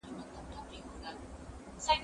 زه هره ورځ کښېناستل کوم!.